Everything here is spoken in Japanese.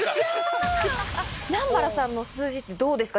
南原さんの数字ってどうですか？